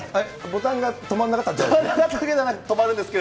ボタンが止まんなかったんですか？